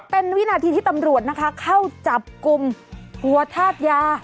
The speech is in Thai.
เป็นวินาทีที่ตำรวจนะคะเข้าจับกลุ่มหัวธาตุยา